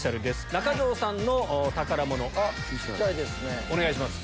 中条さんの宝物お願いします。